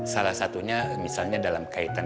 salah satunya misalnya dalam kaitan